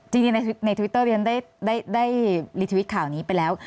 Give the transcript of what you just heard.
จริงในทวิตเตอร์เรียนได้รีทวิตข่าวนี้ไปแล้ว